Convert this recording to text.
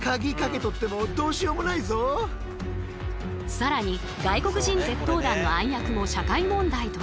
更に外国人窃盗団の暗躍も社会問題となり。